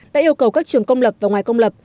đã yêu cầu các trường công lập và ngoài công lập